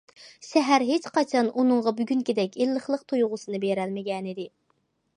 شەھەر ھېچقاچان ئۇنىڭغا بۈگۈنكىدەك ئىللىقلىق تۇيغۇسىنى بېرەلمىگەنىدى.